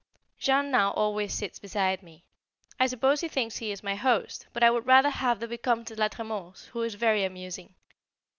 Jean now always sits beside me, I suppose he thinks he is my host, but I would rather have the Vicomte de la Trémors, who is very amusing.